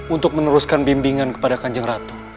untuk meneruskan bimbingan kepada kanjeng ratu